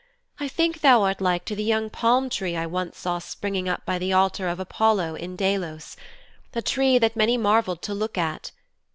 I think thou art like to the young palm tree I once saw springing up by the altar of Apollo in Delos a tree that many marvelled to look at.